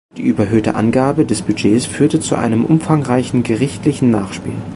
Die überhöhte Angabe des Budgets führte zu einem umfangreichen gerichtlichen Nachspiel.